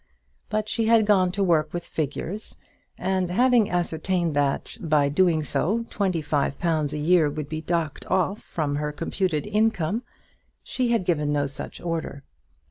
But she had gone to work with figures, and having ascertained that by doing so twenty five pounds a year would be docked off from her computed income, she had given no such order.